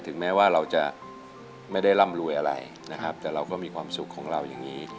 แม้ว่าเราจะไม่ได้ร่ำรวยอะไรนะครับแต่เราก็มีความสุขของเราอย่างนี้